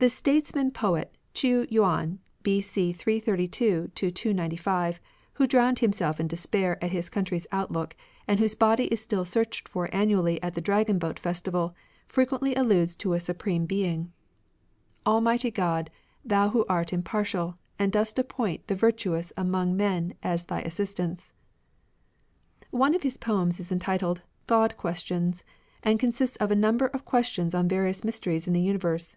The statesman poet Ch'ii Yiian, B.C. YUwi, 332 295, who drowned himself in de spair at his country's outlook, and whose body is still searched for annually at the Dragon Boat festival, frequently alludes to a Supreme Being :— Almighty God, Thou who art impaj*tial, And dost appoint the virtuous among men as Thy Assistants. One of his poems is entitled " God Questions," and consists of a number of questions on various mysteries in the universe.